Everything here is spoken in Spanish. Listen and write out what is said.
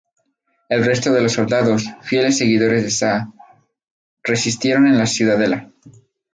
El resto de los soldados, fieles seguidores del Sah, resistieron en la ciudadela.